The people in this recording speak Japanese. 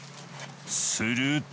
すると。